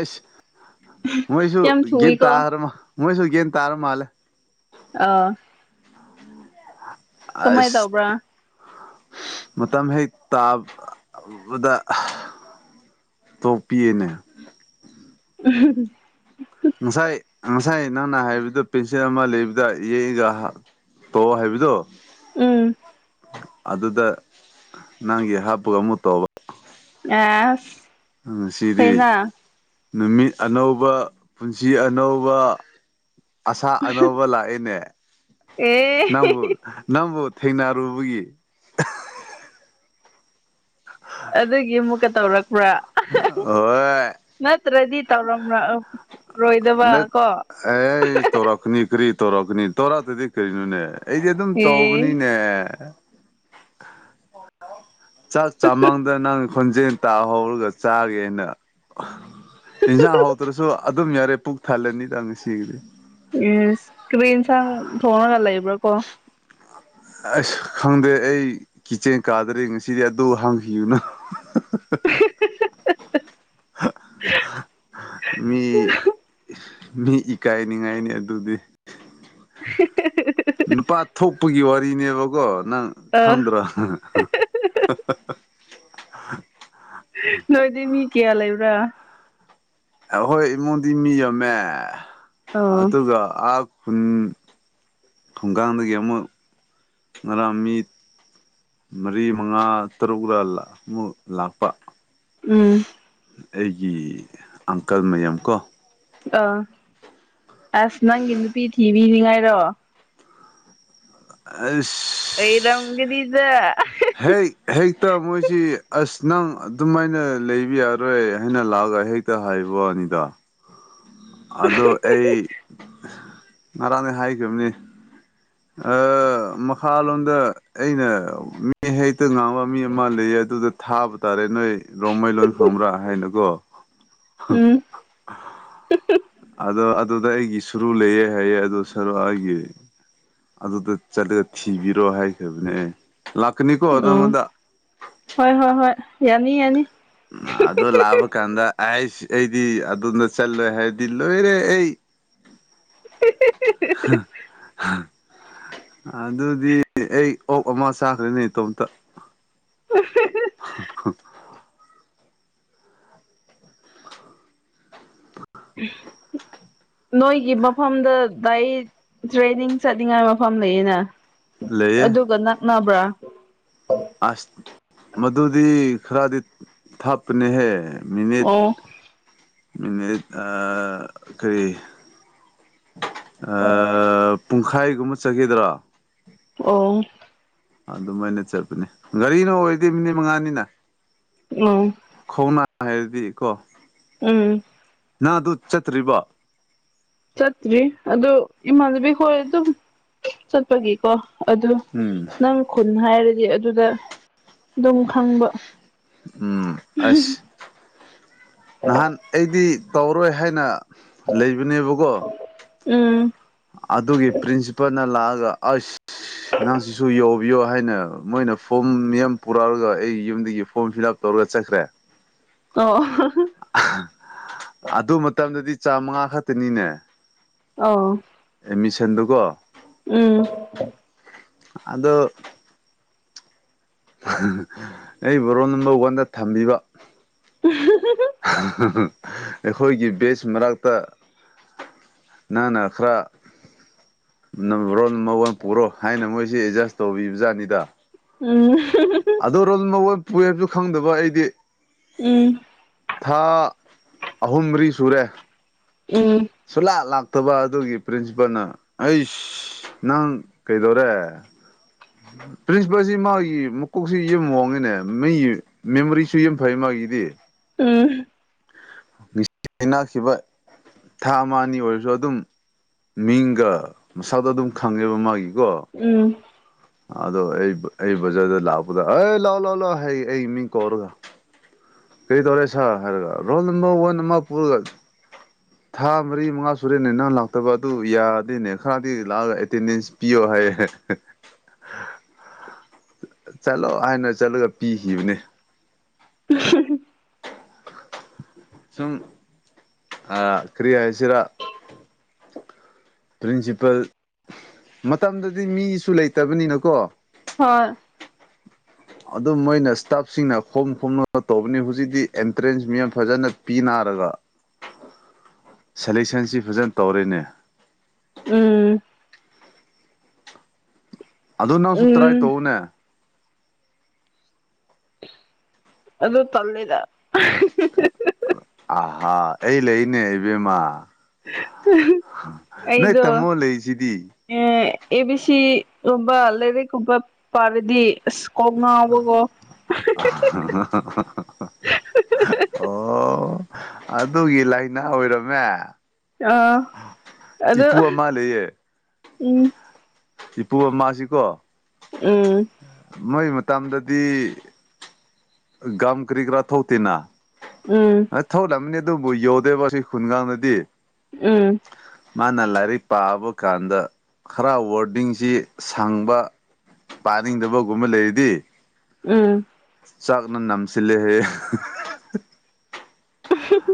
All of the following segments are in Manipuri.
ꯑꯁ ꯃꯣꯏꯖꯨ ꯌꯥꯝ ꯒ꯭ꯌꯥꯟ ꯊꯨꯏꯀꯣ [unintelligible] ꯃꯣꯏꯁꯨ ꯒ꯭ꯌꯥꯟ ꯇꯥꯔ ꯃꯥꯜꯂꯦ ꯑꯣ ꯀꯝꯃꯥꯏ ꯑꯁ ꯇꯧꯕ꯭ꯔ ꯃꯇꯝ ꯍꯦꯛ ꯇꯥꯕꯗ ꯇꯣꯞꯄꯤꯌꯦꯅꯦ [unintelligible] ꯉꯁꯥꯏ ꯉꯁꯥꯏ ꯅꯪꯅ ꯍꯥꯏꯕꯗꯨ ꯄꯦꯟꯁꯤꯜ ꯑꯃ ꯂꯩꯕꯗ ꯌꯦꯛꯏꯒ ꯇꯣꯑꯣ ꯍꯥꯏꯕꯗꯨ ꯎꯝ ꯑꯗꯨꯗ ꯅꯪꯒꯤ ꯍꯥꯞꯄꯒ ꯑꯃꯨꯛ ꯇꯧꯕ ꯑꯥꯁ ꯉꯁꯤꯗꯤ ꯅꯨꯃꯤꯠ ꯑꯅꯧꯕ ꯄꯨꯟꯁꯤ ꯑꯅꯧꯕ ꯑꯁꯥ ꯑꯅꯧꯕ ꯂꯥꯑꯦꯅꯦ ꯑꯦ ꯅꯪꯕꯨ ꯅꯪꯕꯨ ꯊꯦꯡꯅꯔꯨꯕꯒꯤ [unintelligible] ꯑꯗꯨꯒꯤ ꯑꯃꯨꯛꯀ ꯇꯧꯔꯛꯄ꯭ꯔ [unintelligible] ꯍꯣꯏ ꯅꯠꯇ꯭ꯔꯗꯤ ꯇꯧꯔꯝ ꯔꯑꯣ ꯅꯠ ꯑꯩ‌ ꯇꯧꯔꯛꯀꯅꯤ ꯀꯔꯤ ꯇꯧꯔꯛꯀꯅꯤ ꯇꯧꯔꯛꯇꯗꯤ ꯀꯩꯅꯣꯅꯦ ꯑꯩꯗꯤ ꯑꯗꯨꯝ ꯑꯦ ꯇꯧꯕꯅꯤꯅꯦ ꯆꯥꯛ ꯆꯥꯃꯥꯡꯗ ꯅꯪ ꯈꯣꯟꯖꯦꯜ ꯇꯥꯍꯧꯔꯒ ꯆꯥꯒꯦꯅ ꯏꯟꯖꯥꯡ ꯍꯥꯎꯇ꯭ꯔꯁꯨ ꯑꯗꯨꯝ ꯌꯥꯔꯦ ꯄꯨꯛ ꯊꯜꯂꯅꯤꯗ ꯉꯁꯤꯒꯤꯗꯤ ꯏꯁ ꯀꯔꯤ ꯏꯟꯁꯥꯡ ꯊꯣꯡꯉꯒ ꯂꯩꯕ꯭ꯔꯀꯣ ꯑꯁ ꯈꯪꯗꯦ ꯑꯩ ꯀꯤꯆꯦꯟ ꯀꯥꯗ꯭ꯔꯤ ꯉꯁꯤꯗꯤ ꯑꯗꯨ ꯍꯡꯈꯤꯒꯅꯨ [unintelligible] [unintelligible] [unintelligible] [unintelligible] ꯃꯤ ꯃꯤ ꯏꯀꯥꯏꯅꯤꯡꯉꯥꯏꯅꯦ ꯑꯗꯨꯗꯤ ꯅꯨꯄꯥ ꯊꯣꯛꯄꯒꯤ ꯋꯥꯔꯤꯅꯦꯕꯀꯣ ꯅꯪ ꯑ ꯈꯪꯗ꯭ꯔꯣ [unintelligible] ꯅꯣꯏꯗꯤ ꯃꯤ ꯀꯌꯥ ꯂꯩꯕ꯭ꯔ ꯑꯈꫭꯏ ꯏꯃꯨꯡꯗꯤ ꯃꯤ ꯌꯥꯝꯃꯦ ꯑꯣ ꯑꯗꯨꯒ ꯑꯞ ꯈꯨꯟ ꯊꯨꯡꯒꯥꯟꯗꯒꯤ ꯑꯃꯨꯛ ꯉꯔꯥꯡ ꯃꯤ ꯃꯔꯤ ꯃꯉꯥ ꯇꯔꯨꯛ ꯂ ꯂ ꯑꯃꯨꯛ ꯂꯥꯛꯄ ꯎꯝ ꯑꯩꯒꯤ ꯑꯪꯀꯜ ꯃꯌꯥꯝ ꯀꯣ ꯑꯥ ꯑꯁ ꯅꯪꯒꯤ ꯅꯨꯄꯤ ꯊꯤꯕꯤꯅꯤꯡꯉꯥꯏꯔꫭ ꯑꯁ ꯂꯩꯔꯝꯒꯅꯤꯗ ꯍꯦꯛ ꯍꯦꯛꯇ ꯃꯣꯏꯁꯤ ꯑꯁ ꯅꯪ ꯑꯗꯨꯝꯥꯃꯥꯏꯅ ꯂꯩꯕ ꯌꯥꯔꯣꯏ ꯍꯥꯏꯅ ꯂꯥꯛ ꯑꯒ ꯍꯦꯛꯇ ꯍꯥꯏꯕ꯭ꯋꯥꯅꯤꯗ ꯑꯗꯣ ꯑꯩ ꯉꯔꯥꯡꯅꯩ ꯍꯥꯏꯈ꯭ꯔꯝꯅꯦ ꯑ‌ ꯃꯈꯥ ꯂꯣꯟꯗ ꯑꯩꯅ ꯃꯤ [unintelligible] ꯍꯦꯛꯇ ꯉꯥꯡꯕ ꯃꯤ ꯑꯃ ꯂꯩꯌꯦ ꯑꯗꯨꯗ ꯊꯥꯕ ꯇꯥꯔꯦ ꯅꯣꯏ ꯔꯣꯡꯃꯩ ꯂꯣꯟ ꯈꯪꯕ꯭ꯔ ꯍꯥꯏꯅꯀꯣ ꯎꯝ [unintelligible] ꯗꯣ ꯑꯗꯨꯗ ꯑꯩꯒꯤ ꯁꯨꯔꯨ ꯂꯩꯌꯦ ꯍꯥꯏꯌꯦ ꯑꯗꯨ ꯁꯔꯨ ꯑꯩꯒꯤ ꯑꯗꯨꯗ ꯆꯠꯂꯒ ꯊꯤꯕꯤꯔꯣ ꯍꯥꯏꯈ꯭ꯔꯕꯅꯦ ꯑꯦ ꯑꯣ ꯍꯣꯏ ꯍꯣꯏ ꯍꯣꯏ ꯌꯥꯅꯤ ꯌꯥꯅꯤ ꯑ ꯑꯗꯨ ꯂꯥꯑꯕ ꯀꯥꯟꯗ ꯑꯥꯏꯁ ꯑꯩꯗꯤ ꯑꯗꫭꯟꯗ ꯆꯠꯂꫭꯏ ꯍꯥꯏꯔꯗꯤ ꯂꯣꯏꯔꯦ ꯑꯩ [unintelligible] [unintelligible] ꯑꯗꯨꯗꯤ ꯑꯩ ꯑꯣꯛ ꯑꯃ ꯆꯥꯈ꯭ꯔꯅꯤ ꯏꯇꯣꯝꯇ [unintelligible] [inaudible] ꯅꯣꯏꯒꯤ ꯃꯐꯝꯗ ꯗꯥꯏꯠ ꯇ꯭ꯔꯦꯟꯅꯤꯡ ꯆꯠꯅꯤꯡꯉꯥꯏ ꯃꯐꯝ ꯂꯩꯌꯦꯅ ꯑꯗꯨꯒ ꯅꯛꯅꯕ꯭ꯔ ꯑꯥꯁ ꯃꯗꯨꯗꯤ ꯈꯔꯗꯤ ꯊꯥꯞꯄꯅꯤꯍꯦ ꯃꯤꯅꯤꯠ ꯑꯣ ꯃꯤꯅꯤꯠ ꯑ ꯀꯔꯤ ꯑ ꯄꯨꯡꯈꯥꯏꯒꯨꯝꯕ ꯆꯠꯈꯤꯗ꯭ꯔꯣ ꯑꯣ ꯑꯗꯨꯝꯃꯥꯏꯅ ꯆꯠꯄꯅꯦ ꯒꯥꯔꯤꯗ ꯑꯣꯏꯔꯗꯤ ꯃꯤꯅꯤꯠ ꯃꯉꯥꯅꯤꯅ ꯎꯝ [unintelligible] ꯍꯥꯏꯔꯗꯤ ꯀꫭ ꯎꯝ ꯅꯪ ꯑꯗꯨ ꯆꯠꯇ꯭ꯔꯤꯕꯣ ꯆꯠꯇ꯭ꯔꯤ ꯑꯗꯨ ꯏꯃꯥꯟꯅꯕꯤ ꯍꯣꯏ ꯑꯗꯨꯝ ꯆꯠꯄꯒꯤꯀꯣ ꯑꯗꯨ ꯎꯝ ꯅꯪ ꯈꯨꯟ ꯍꯥꯏꯔꯗꯤ ꯑꯗꯨꯗ ꯑꯗꯨꯝ ꯈꯪꯕ ꯎꯝ ꯑꯁ ꯅꯥꯍꯟ ꯑꯩꯗꯤ ꯇꯧꯔꯔꯣꯏ ꯍꯥꯏꯅ ꯂꯩꯕꯅꯦꯕꯀꯣ ꯎꯝ ꯑꯗꯨꯒꯤ ꯄ꯭ꯔꯤꯟꯁꯤꯄꯥꯜꯅ ꯂꯥꯛꯑꯒ ꯑꯁ ꯅꯪ ꯁꯤꯁꯨ ꯌꯥꯎ ꯕꯤꯌꯣ ꯍꯥꯏꯅ ꯃꯣꯏꯅ ꯐꯣꯝ ꯃꯤꯌꯥꯝ ꯄꯨꯔꯛꯑꯒ ꯑꯩ ꯌꯨꯝꯗꯒꯤ ꯐꯣꯝ ꯐꯤꯂꯞ ꯇꯧꯔꯒ ꯆꯠꯈ꯭ꯔꯦ ꯑꯣ [unintelligible] [unintelligible] ꯑꯗꯨ ꯃꯇꯝꯗꯗꯤ ꯆꯥꯝꯉꯥ ꯈꯇꯅꯤꯅꯦ ꯑꯧ ꯑꯦꯠꯃꯤꯁꯟꯗꫭꯀꯣ ꯎꯝ ꯑꯗꯣ [unintelligible] ꯑꯩꯕꯨ ꯔꫭꯜ ꯅꯝꯕꯔ ꯋꯥꯟꯗ ꯊꯝꯕꯤꯕ [unintelligible] ꯑꯩꯈꯣꯏꯒꯤ ꯕꯦꯁ ꯃꯔꯛꯇ ꯅꯪꯅ ꯈꯔ [unintelligible] ꯔꫭꯜ ꯅꯝꯕꯔ ꯋꯥꯟ ꯄꯨꯔꯣ ꯍꯥꯏꯅ ꯃꯣꯏꯁꯦ ꯑꯦꯠꯖꯁ ꯇꯧꯕꯤꯕꯖꯥꯠꯅꯤꯗ ꯎꯝ ꯑꯗꯨꯔꯣ ꯔꫭꯜ ꯅꯝꯕꯔ ꯋꯥꯟ ꯄꯨꯏ ꯍꯥꯏꯕꯁꯨ ꯈꯪꯗꯕ ꯑꯩꯗꯤ ꯎꯝ ꯊꯥ ꯑꯍꯨꯝ ꯃꯔꯤ ꯁꯨꯔꯦ ꯎꯝ ꯁꯨꯂꯥꯛ ꯂꯥꯛ ꯇꯕ ꯑꯗꯨꯒꯤ ꯄ꯭ꯔꯤꯟꯁꯤꯄꯥꯜꯅ ꯑꯩꯁ ꯅꯪ ꯀꯩꯗꯧꯔꯦ ꯄ꯭ꯔꯤꯟꯁꯤꯄꯥꯜꯁꯤ ꯃꯥꯒꯤ ꯃꯀꯣꯛꯁꯤ ꯌꯨꯝ [unintelligible] ꯃꯤ ꯃꯦꯃꯣꯔꯤꯁꯨ ꯌꯥꯝ ꯐꯩ ꯃꯥꯒꯤ UNINTELLIGIBLE INAUDIBLE UNINTELLIGIBLE ꯊꯥ ꯑꯃꯅꯤ ꯑꯣꯏꯔꯖꯨ ꯑꯗꯨꯝ ꯃꯤꯡꯒ ꯁꯛꯀ ꯑꯗꯨꯝ ꯈꯪꯉꯦꯕ ꯃꯥꯒꯤ ꯎꯝ ꯑꯗꯣ ꯑꯩ ꯑꯩ ꯕꯖꯥꯔꯗ ꯂꯥꯛꯄꯗ ꯑꯦ ꯂꯥꯎꯑꯣ ꯂꯥꯎꯑꯣ ꯑꯩ ꯃꯤ ꯀꯧꯔꯒ ꯀꯔꯤ ꯇꯧꯔꯦ ꯁꯥꯔ ꯍꯥꯏꯔꯒ ꯔꯣꯜ ꯅꯝꯕꯔ ꯋꯥꯟ ꯄꯨꯔ ꯊꯥ ꯃꯔꯤ ꯃꯉꯥ ꯁꯨꯔꯦꯅꯦ ꯅꯪ ꯂꯥꯛꯇꯕ ꯑꯗꯨꯕꯨ ꯌꯥꯗꯦꯅꯦ ꯈꯔꯗꯤ ꯂꯥꯛꯑꯒ ꯑꯦꯇꯦꯟꯗꯦꯟꯁ ꯄꯤꯌꯣ ꯍꯥꯢꯌꯦ ꯍꯦ ꯍꯦ ꯆꯥꯠꯂꯣ ꯍꯥꯏꯅ ꯆꯠꯂꯒ ꯄꯤꯈꯤꯕꯅꯦ ꯁꯨꯝ ꯑꯥ ꯀ꯭ꯔꯤ ꯍꯥꯏꯁꯤꯔ ꯄ꯭ꯔꯤꯟꯁꯤꯄꯜ ꯃꯇꯝꯗꯗꯤ ꯃꯤꯁꯨ ꯂꯩꯇꯕꯅꯤꯅꯀꯣ ꯍꯣꯏ ꯑꯗꯨꯝ ꯃꯣꯏꯅ ꯏꯁꯇꯥꯞꯁꯤꯡꯅ ꯈꯣꯝ ꯈꯣꯝꯂꯒ ꯇꯧꯕꯅꯤ ꯍꯧꯖꯤꯛꯇꯤ ꯑꯦꯟꯇ꯭ꯔꯦꯟꯁ ꯌꯥꯝ ꯐꯖꯅ ꯄꯤꯅ ꯁꯦꯂꯦꯛꯁꯟꯁꯤ ꯐꯖꯅ ꯇꯧꯔꯦꯅꯦ ꯎꯎꯝ ꯑꯥꯗꯨ ꯅꯪꯖꯨ ꯇ꯭ꯔꯥꯏ ꯎꯝ ꯇꯧꯋꯣꯅꯦ ꯑꯗꯨ ꯇꯜꯂꯦꯗ ꯑꯍꯤ ꯍꯤ ꯍꯤ ꯑꯥꯍꯥ ꯑꯩ ꯂꯩꯅꯦ ꯏꯕꯦꯝꯃ ꯅꯣꯏ ꯑꯩꯗꯣ ꯇꯥꯃꯣ ꯂꯩꯁꯤꯗꯤ ꯑꯦ ꯑꯦ ꯕꯤ ꯁꯤꯒꯨꯝꯕ ꯂꯥꯏꯔꯤꯛꯀꯨꯝꯕ ꯄꯥꯔꯗꯤ ꯑꯥꯁ ꯀꯣꯛ ꯉꯥꯎꯕꯀꯣ ꯑꯣꯑꯣ ꯑꯗꯨꯒꯤ ꯂꯥꯏꯅꯥ ꯑꯣꯏꯔꯝꯃꯦ ꯑꯥ ꯑꯗꯨ ꯏꯄꯨ ꯑꯃ ꯂꯩꯌꯦ ꯎꯝ ꯏꯄꯨ ꯑꯃꯖꯤꯀꯣ INAUDIBLE ꯃꯣꯏ ꯃꯇꯝꯗ ꯗꯤ ꯎꯝ UNINTELLIGIBLE ꯑꯗꯨꯕꯨ ꯌꯧꯗꯦꯕ ꯁꯤ ꯈꯨꯡꯒꯪꯗꯗꯤ ꯎꯝ ꯃꯥꯅ ꯂꯥꯏꯔꯤꯛ ꯄꯥꯕ ꯀꯥꯟꯗ ꯈꯔ ꯋꯥꯔꯗꯤꯡꯖꯤ ꯁꯥꯡꯕ ꯄꯥꯅꯤꯡꯗꯕꯒꯨꯝꯕ ꯂꯩꯔꯗꯤ ꯎꯝ ꯆꯥꯛꯅ ꯅꯝꯁꯤꯜꯂꯦ ꯍꯥꯏꯌꯦ INAUDIBLE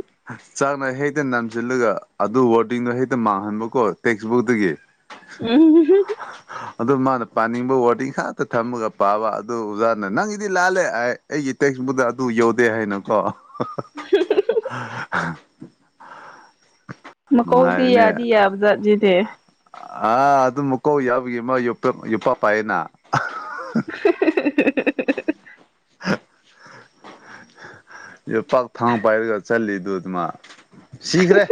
ꯆꯥꯛꯅꯥ ꯍꯦꯛꯇ ꯅꯟꯁꯤꯜꯂꯒ ꯑꯗꯨ ꯋꯥꯔꯗꯤꯡꯗꯣ ꯍꯦꯛꯇ ꯃꯥꯡꯍꯟꯕꯀꯣ ꯇꯦꯛꯁꯕꯨꯛꯇꯒꯤ UNINTELLIGIBLE ꯑꯗꯨ ꯃꯥꯅ ꯄꯥꯅꯤꯡꯕ ꯑꯣꯏꯔꯗꯤ ꯈꯥꯛꯇ ꯊꯝꯃꯒ ꯄꯥꯕ ꯑꯗꯨ ꯑꯣꯖꯥꯅ ꯅꯪꯒꯤꯗꯤ ꯂꯥꯜꯂꯦ ꯍꯥꯏ ꯑꯩꯒꯤ ꯇꯦꯛꯁ ꯕꯨꯛꯗ ꯑꯗꯨ ꯌꯥꯎꯗꯦ ꯍꯥꯏꯅꯀꯣ ꯃꯀꯣꯛꯗꯤ ꯅꯨꯡꯉꯥꯏꯕꯅꯦ ꯌꯥꯗꯤ- ꯌꯥꯕꯖꯥꯠꯅꯤꯅꯦ ꯑꯥ ꯑꯗꯨꯝ ꯃꯀꯣꯛ ꯌꯥꯎꯕꯩ ꯃꯥ ꯌꯣꯄꯥ ꯌꯣꯄꯥꯛ ꯄꯥꯏꯌꯦꯅꯥꯕ INAUDIBLE ꯌꯣꯄꯥꯛ ꯊꯥꯡ ꯄꯥꯏꯔꯒ ꯆꯠꯂꯤꯗꯨ ꯃꯥ ꯁꯤꯒ꯭ꯔꯦ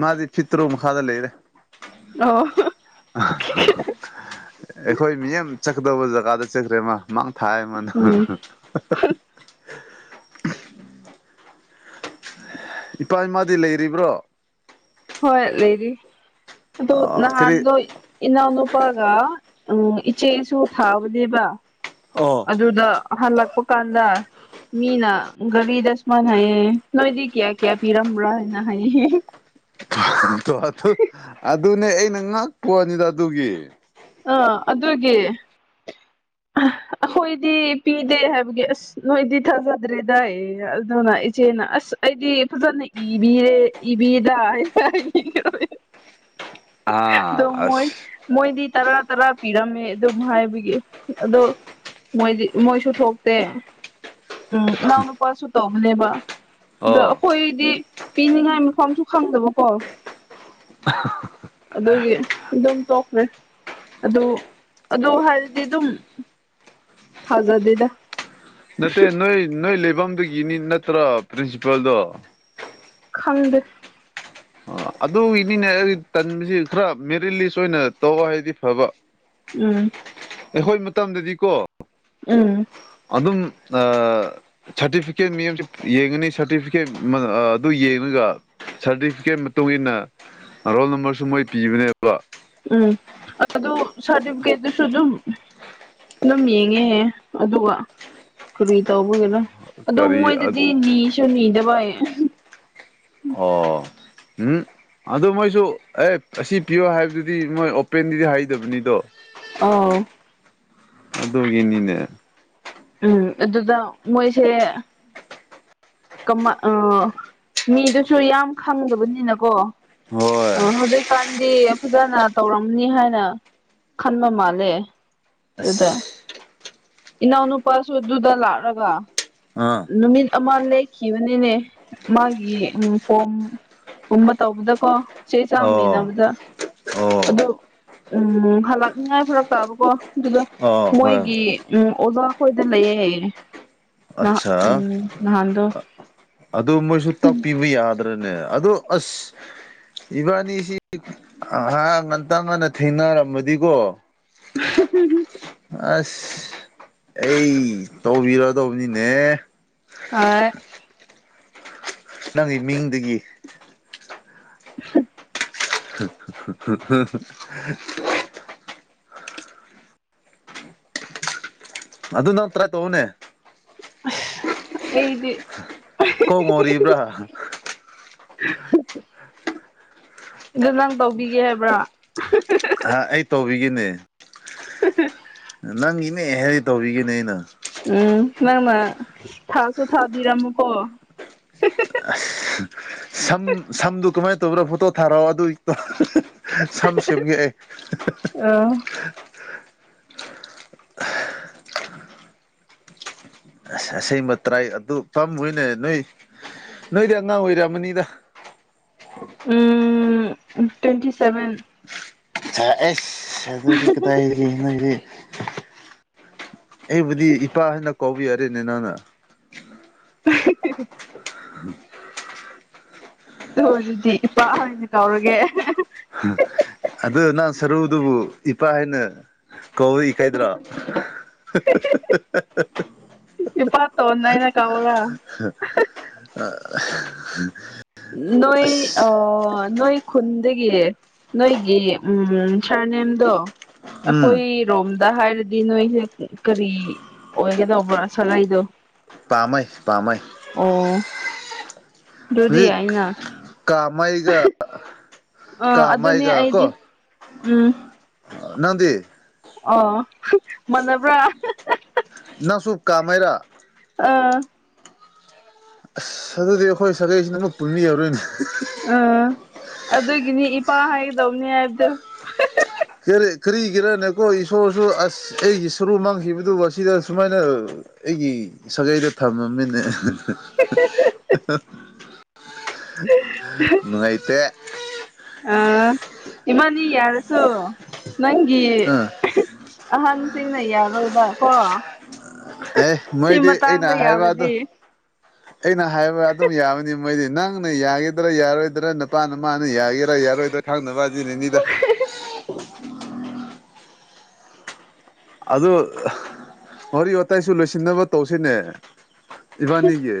ꯃꯥꯗꯤ ꯐꯤꯠ ꯇꯔꯨꯛ ꯃꯈꯥꯗ ꯂꯩꯔꯦ ꯑꯣ ꯑꯥꯍꯥ ꯍꯥ ꯍꯥ ꯑꯩꯈꯣꯏ ꯃꯤꯌꯥꯝ ꯆꯠ ꯀꯗꯕ ꯖꯒꯥꯗ ꯆꯠꯈ꯭ꯔꯦ ꯃꯥ ꯃꯥꯡ ꯊꯥꯏꯌꯦ ꯃꯥꯅ ꯍꯥ ꯎꯝ ꯍꯥ ꯏꯄꯥ-ꯏꯃꯥꯗꯤ ꯂꯩꯔꯤꯕ꯭ꯔꯣ ꯍꯣꯏ ꯂꯩꯔꯤ ꯑꯗꯣ ꯑ ꯀꯔꯤ ꯅꯥꯍꯥꯟꯗꯣ ꯏꯅꯥꯎꯅꯨꯄꯥꯒ ꯑꯣꯑꯣ ꯏꯆꯦꯁꯨ ꯊꯥꯕꯅꯦꯕ ꯑꯣ ꯑꯗꯨꯗ ꯍꯜꯂꯛꯄ ꯀꯥꯟꯗ ꯃꯤꯅꯥ ꯒꯥꯔꯤꯗ ꯁꯨꯃꯥꯏꯅ ꯍꯥꯏꯌꯦꯌꯦ ꯅꯣꯏꯗꯤ ꯀꯌꯥ ꯀꯌꯥ ꯄꯤꯔꯝꯕ꯭ꯔꯥ ꯍꯥꯏꯅ ꯍꯥꯏꯌꯦ ꯑꯗꯨ ꯑꯗꯨꯅꯦ ꯑꯩꯅ ꯉꯛꯄꯋꯅꯤꯗ ꯑꯗꯨꯒꯤ ꯑꯥ ꯑꯗꯨꯒꯤ ꯑꯥꯍꯥ ꯑꯩꯈꯣꯏꯗꯤ ꯄꯤꯗꯦ ꯍꯥꯏꯕꯒꯤ ꯑꯥꯁ ꯅꯣꯏꯗꯤ ꯊꯥꯖꯗ꯭ꯔꯦꯗꯌꯦ ꯑꯗꯨꯅ ꯏꯆꯦꯅ ꯑꯥꯁ ꯑꯩꯗꯤ ꯐꯖꯅ ꯏꯕꯤꯌꯦ ꯏꯕꯤꯗ ꯍꯥꯏꯅ ꯍꯥ ꯍꯥ ꯍꯥ INAUDIBLE ꯗꯣ ꯃꯣꯏ- ꯃꯣꯏꯗꯤ ꯇꯔꯥ ꯇꯔꯥ ꯄꯤꯔꯝꯃꯦ ꯑꯗꯨꯝ ꯍꯥꯏꯕꯒꯤ ꯑꯗꯣ ꯃꯣꯏꯗꯤ ꯃꯣꯏꯁꯨ ꯊꯣꯛꯇꯦ ꯎꯝ ꯏꯅꯥꯎꯅꯨꯄꯥꯁꯨ ꯇꯧꯍꯜꯂꯦꯕ ꯑꯗꯣ ꯑꯣ ꯑꯩꯈꯣꯏꯗꯤ ꯄꯤꯅꯤꯡꯉꯥꯏ ꯃꯐꯝꯁꯨ ꯈꯪꯗꯕꯀꯣ ꯑꯗꯨꯒꯤ ꯑꯗꯨꯝ ꯇꯣꯛꯈ꯭ꯔꯦ ꯑꯗꯨ ꯑꯗꯨ ꯍꯥꯏꯔꯗꯤ ꯑꯗꯨꯝ ꯊꯥꯖꯗꯦꯗ ꯅꯠꯇꯦ ꯅꯣꯏ ꯅꯣꯏ ꯂꯩꯐꯝꯗꯨꯒꯤꯅꯤ ꯅꯠꯇ꯭ꯔꯣ ꯄ꯭ꯔꯤꯟꯁꯤꯄꯜꯗꯣ ꯈꯪꯗꯦ ꯑꯥ ꯑꯗꯨꯒꯤꯅꯤꯅꯦ ꯑꯩ ꯇꯟꯕꯁꯤ ꯈꯔ ꯃꯦꯔꯤꯠ ꯂꯤꯁ ꯑꯣꯏꯅ ꯇꯧꯑꯣ ꯍꯥꯏꯕꯗꯤ ꯐꯕ ꯎꯝ ꯑꯩꯈꯣꯏ ꯃꯇꯝꯗꯗꯤꯀꯣ ꯎꯪꯝ ꯑꯗꯨꯝ ꯑꯥ ꯁꯥꯔꯇꯤꯐꯤꯀꯦꯠ ꯃꯤ ꯌꯦꯡꯉꯅꯤ ꯁꯥꯔꯇꯤꯐꯤꯀꯦꯠ ꯃꯥ ꯑꯥꯑꯗꯨ ꯌꯦꯡꯉꯒ ꯁꯥꯔꯇꯤꯐꯤꯀꯦꯠ ꯃꯇꯨꯡꯏꯟꯅ ꯔꯣꯜ ꯅꯝꯕꯔꯁꯨ ꯃꯣꯏ ꯄꯤꯕꯅꯦꯕ ꯎꯝ ꯑꯗꯨ ꯁꯥꯔꯇꯤꯐꯦꯠꯇꯨꯁꯨ ꯑꯗꯨꯝ ꯑꯗꯨꯝ ꯌꯦꯡꯉꯦꯍꯦ ꯑꯗꯨꯒ ꯀꯔꯤ ꯇꯧꯕꯒꯤꯔꯥ ꯑꯗꯣ ꯀꯔꯤ ꯃꯣꯏꯗꯗꯤ ꯅꯤꯁꯨ- ꯅꯤꯗꯕ ꯑꯣꯑꯣ ꯎꯝꯎꯠ ꯑꯗꯨ ꯃꯣꯏꯁꯨ ꯑꯦ ꯑꯁꯤ ꯄꯤꯌꯣ ꯍꯥꯏꯕꯗꯨꯗꯤ ꯃꯣꯏ ꯑꯣꯄꯦꯟꯗꯗꯤ ꯍꯥꯏꯗꯕꯅꯤꯗꯣ ꯑꯧ ꯑꯗꯨꯒꯤꯅꯤꯅꯦ ꯎꯪ ꯑꯥꯗꯨꯗ ꯃꯣꯏꯁꯦ ꯀꯃꯥ ꯑꯥ ꯃꯤꯗꯨꯖꯨ ꯌꯥꯝ ꯈꯪꯗꯕꯅꯤꯅꯀꯣ ꯍꯣꯑꯣꯢ ꯗꯤ ꯐꯖꯅ ꯇꯧꯔꯝꯅꯤ ꯍꯥꯏꯅꯥ ꯈꯟꯕ ꯃꯥꯜꯂꯦ ꯑꯁ ꯗꯨꯗ ꯏꯅꯥꯎꯅꯨꯄꯥꯁꯨ ꯑꯗꯨꯗ ꯂꯥꯛꯂꯒ ꯑꯥ ꯅꯨꯃꯤꯠ ꯑꯃ ꯂꯦꯛꯈꯤꯕꯅꯤꯅꯦ ꯃꯥꯒꯤ ꯎꯪ ꯐꯣꯝ ꯀꯨꯝꯕ ꯇꯧꯕꯗꯀꯣ ꯆꯦ- ꯆꯥꯡ ꯃꯦꯟꯅꯕꯗ ꯑꯣꯑꯣ ꯎꯪꯎꯪꯝ ꯍꯜꯂꯛꯅꯤꯉꯥꯏ ꯐꯔꯛꯇꯥꯕꯀꯣ ꯑꯗꯨꯒ ꯑꯣ ꯍꯣꯏ ꯃꯣꯏꯒꯤ ꯍꯣꯏ ꯎꯝ ꯑꯣꯖꯥ ꯈꯣꯏꯗ ꯂꯩꯌꯦ INAUDIBLE INAUDIBLE ꯅꯍꯥ ꯎꯝ ꯅꯍꯥꯟꯗꯣ ꯑꯗꯨ ꯃꯣꯏꯖꯨ ꯇꯥꯛꯄꯤꯕ ꯌꯥꯗ꯭ꯔꯅꯦ ꯑꯗꯨ ꯑꯥꯁ ꯏꯕꯥꯅꯤꯁꯤ ꯑꯍꯥ ꯉꯟꯇꯥ ꯉꯟꯅ ꯊꯦꯡꯅꯔꯝꯃꯗꯤꯀꯣ ꯑꯍꯝ ꯍꯝ ꯑꯁ ꯑꯩ ꯇꯧꯕꯤꯔ ꯗꯧꯕꯅꯤꯅꯦ ꯑꯥꯢ ꯅꯪꯒꯤ ꯃꯤꯡꯗꯒꯤ ꯍꯝ [unintelligible] ꯍꯨ ꯍ ꯍꯨꯝ ꯑꯗꯨ ꯅꯠꯇ꯭ꯔ ꯇꯧꯋꯣꯅꯦ ꯑꯩꯗꯤ ꯀꯣꯛ ꯉꯣꯔꯤꯕ꯭ꯔꯥ ꯑ ꯍꯛ [unintelligible] ꯑꯗꯨ ꯅꯪ ꯇꯧꯕꯤꯒꯦ ꯍꯥꯏꯕ꯭ꯔꯥ ꯑꯥ ꯑꯩ ꯇꯧꯕꯤꯒꯦꯅꯦ ꯍ ꯍꯪ [unintelligible] ꯅꯪꯒꯤꯅꯦ ꯍꯥꯏꯗꯤ ꯇꯧꯕꯤꯒꯦꯅꯦ ꯑꯩꯅ ꯎꯝ ꯅꯪꯅ ꯊꯥꯛꯁꯨ ꯊꯥꯛꯄꯤꯔꯝꯃꯨꯀꯣ ꯍꯦ ꯍꯦ ꯍꯦ ꯁꯝ ꯁꯝꯗꯨ ꯀꯃꯥꯏꯅ ꯇꯧꯕ꯭ꯔꯥ ꯐꯣꯇꯣ ꯊꯥꯔꯛꯑꯣ ꯑꯗꯨꯏꯗꯣ ꯁꯝ ꯁꯦꯝꯒꯦ ꯑꯩ ꯑ ꯑꯁ ꯑꯁꯦꯡꯕ ꯇ꯭ꯔꯥꯏ ꯑꯗꯨ ꯐꯝꯃꯣꯏꯅꯦ ꯅꯣꯏ ꯅꯣꯏꯗꯤ ꯑꯉꯥꯡ ꯑꯣꯏꯔꯝꯃꯅꯤꯗ ꯎꯝ ꯇ꯭ꯋꯦꯟꯇꯤ ꯁꯚꯦꯟ ꯑꯥ ꯑꯦꯁ ꯑꯗꯨꯗꯤ ꯀꯗꯥꯏꯗꯒꯤ ꯅꯣꯏꯗꯤ ꯑꯩꯕꯨꯗꯤ ꯏꯄꯥꯍꯣꯏꯅ ꯀꯥꯎꯕꯤ ꯌꯥꯔꯦꯅꯦ ꯅꯪꯅ [unintelligible] ꯑꯗꯨꯕꯨꯗꯤ ꯏꯄꯥ ꯍꯣꯏꯅ ꯀꯧꯔꯒꯦ ꯑꯗꯣ ꯅꯪ ꯁꯔꯨꯗꯨꯕꯨ ꯏꯄꯥ ꯍꯥꯏꯅ ꯀꯧꯋꯦ ꯀꯥꯏꯗ꯭ꯔꯣ ꯍꯥ ꯍꯥ ꯍꯥ ꯍꯥ ꯍꯥ ꯏꯄꯥꯟ ꯇꯧꯅꯩꯅ ꯇꯧꯔꯒ ꯍꯥ ꯍꯥꯡ ꯅꯣꯏ ꯑꯣ ꯅꯣꯏ ꯈꯨꯟꯗꯒꯤ ꯅꯣꯏꯒꯤ ꯎꯝ ꯁꯥꯔꯅꯦꯝ ꯗꯣ ꯎꯝ ꯑꯩꯈꯣꯏꯔꯣꯝꯗ ꯍꯥꯏꯔꯗꯤ ꯅꯣꯏꯁꯦ ꯀꯔꯤ ꯑꯣꯏꯒꯗꯧꯕ꯭ꯔ ꯁꯒꯩꯗꯣ ꯄꯥꯃꯩ ꯄꯥꯃꯩ ꯑꯗꯨꯏ ꯑꯩꯅ ꯀꯥꯃꯩꯒ ꯑꯥ ꯑꯗꯨꯅꯦ ꯀꯥꯃꯩꯒ ꯑꯩꯗꯤ ꯀꯣ ꯎꯝ ꯅꯪꯗꯤ ꯑꯣ ꯃꯥꯅꯕ꯭ꯔꯥ ꯅꯪꯁꯨꯨ ꯀꯥꯃꯩꯔꯥ ꯑꯥ ꯑꯁ ꯑꯗꯨꯗꯤ ꯑꯩꯈꯣꯏ ꯁꯥꯒꯩꯁꯤ ꯅꯪꯒ ꯄꯨꯟꯅ ꯌꯔꯣꯏꯅꯦ ꯑꯥ ꯑꯗꯨꯒꯤꯅꯤ ꯏꯄꯥ ꯍꯥꯏꯒꯗꯧꯅꯤ ꯍꯥꯏꯕꯗꯣ ꯀꯥ ꯀꯔꯤꯒꯤꯔꯅꯦꯀꯣ ꯏꯁꯣꯔꯁꯨ ꯑꯁ ꯑꯩꯒꯤ ꯁꯔꯨ ꯃꯥꯡꯈꯤꯕꯗꯨ ꯑꯁꯤꯗ ꯁꯨꯃꯥꯏꯅ ꯑꯩꯒꯤ ꯁꯥꯒꯩꯗ ꯊꯝꯃꯝꯃꯤꯅꯦ ꯅꯨꯡꯉꯥꯏꯇꯦ ꯑꯥ ꯏꯕꯅꯤ ꯌꯥꯔꯁꯨ ꯅꯪꯒꯤ ꯑꯥ ꯑꯍꯟꯁꯤꯡꯅ ꯌꯥꯔꯣꯏꯕ ꯀꯣ ꯑꯦ ꯁꯤ ꯃꯣꯏꯗꯤ ꯑꯩꯅ ꯃꯇꯥꯡꯗ ꯍꯥꯏꯕꯗꯣ ꯌꯥꯎꯔꯗꯤ ꯑꯩꯅ ꯍꯥꯏꯕ ꯑꯗꯨꯝ ꯌꯥꯕꯅꯤ ꯃꯣꯏꯗꯤ ꯅꯪꯅ ꯌꯥꯒꯗ꯭ꯔꯥ ꯌꯥꯔꯣꯏꯗ꯭ꯔꯥ ꯅꯄꯥ ꯅꯃꯥꯅ ꯌꯥꯒꯦꯔꯥ ꯌꯥꯔꯣꯏꯗ꯭ꯔ ꯈꯪꯡꯗꯕ ꯑꯗꯨꯅꯅꯤꯗ ꯑꯗꯨ ꯋꯥꯔꯤ ꯋꯥꯇꯥꯏꯁꯨ ꯂꯣꯏꯁꯤꯟꯅꯕ ꯇꯧꯁꯤꯅꯦ ꯏꯕꯥꯅꯤꯒꯤ